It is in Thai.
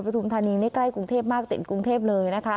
ประธุมธนีย์ในใกล้กรุงเทพมากเต็มกรุงเทพเลยนะคะ